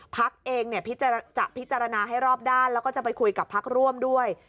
พักเองจะพิจารณาให้รอบด้านแล้วก็จะไปคุยกับพักร่วมด้วย